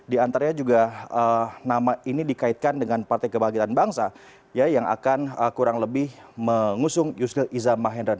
di antaranya juga nama ini dikaitkan dengan partai kebahagitan bangsa yang akan kurang lebih mengusung yusril iza mahendra